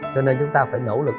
cho nên chúng ta phải nỗ lực